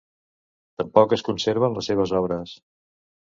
Tampoc es conserven les seves obres.